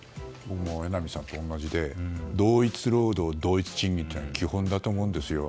榎並さんと同じで同一労働同一賃金は基本だと思うんですよ。